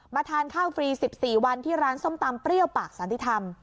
ทานข้าวฟรี๑๔วันที่ร้านส้มตำเปรี้ยวปากสันติธรรม